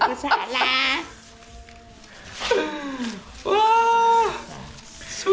oh salah sudah ada satu